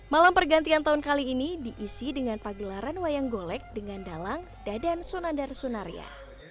malam pergantian tahun kali ini diisi dengan pagelaran wayang golek dengan dalang dadan sunandar sunaria